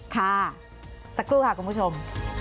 ค่ะสักครู่ค่ะคุณผู้ชม